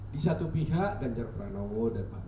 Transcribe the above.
di satu pihak ganjar pranowo dan pak mahfud sudah berkata ya